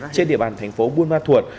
trên địa bàn thành phố buôn ma thuột